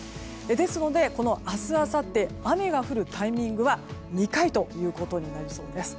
ですので、この明日あさって雨が降るタイミングは２回となりそうです。